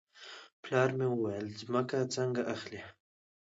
پلار مې وویل ځمکه څنګه اخلې.